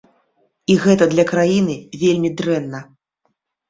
І гэта для краіны вельмі дрэнна.